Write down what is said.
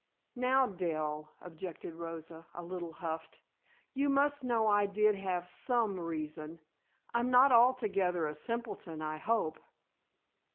"Now, Dell," objected Rosa, a little huffed, "you must know I did have some reason. I'm not altogether a simpleton, I hope."